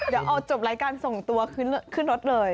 เดี๋ยวเอาจบรายการส่งตัวขึ้นรถเลย